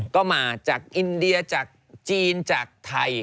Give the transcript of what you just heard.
ก็มาจากอินเดียจากจีนจากไทย